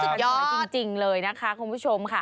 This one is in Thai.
สุดยอดจริงเลยนะคะคุณผู้ชม